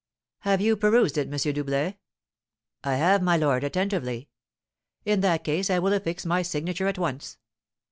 "Have you perused it, M. Doublet?" "I have, my lord, attentively." "In that case I will affix my signature at once."